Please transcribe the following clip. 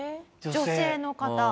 女性の方。